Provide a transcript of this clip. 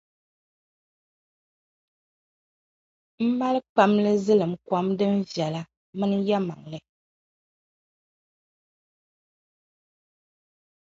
M mali kpamili ziliŋkom din viɛla mini yɛm maŋli.